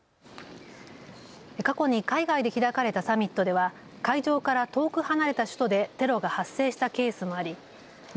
過去に海外で開かれたサミットでは会場から遠く離れた首都でテロが発生したケースもありＧ